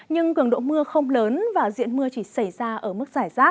nhưng cường độ mưa không lớn và diện mưa chỉ xảy ra ở mức giải rác